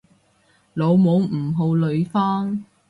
老母唔好呂方